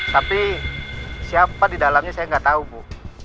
tapi siapa di dalamnya saya gak tau bu